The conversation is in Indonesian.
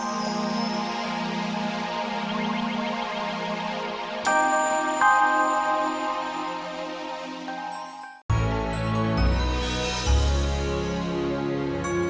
patria tetap tidak mau mengakui kalau lara itu anak kandung masatria